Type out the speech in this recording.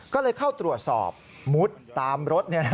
ก็เลยเข้าตรวจสอบมุดตามรถ